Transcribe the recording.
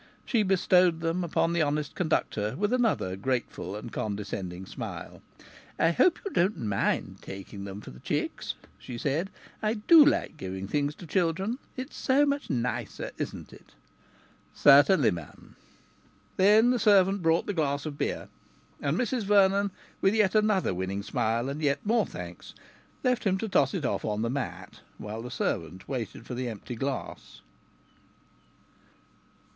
She bestowed them upon the honest conductor with another grateful and condescending smile. "I hope you don't mind taking them for the chicks," she said. "I do like giving things to children. It's so much nicer, isn't it?" "Certainly, m'm." Then the servant brought the glass of beer, and Mrs Vernon, with yet another winning smile, and yet more thanks, left him to toss it off on the mat, while the servant waited for the empty glass.